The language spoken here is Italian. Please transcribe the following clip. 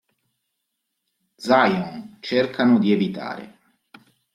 Zion cercano di evitare.